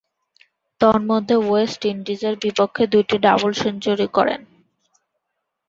তন্মধ্যে ওয়েস্ট ইন্ডিজের বিপক্ষে দু’টি ডাবল সেঞ্চুরি করেন।